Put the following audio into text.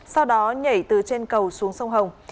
sau đó nhảy từ trên cầu xuống sông hồng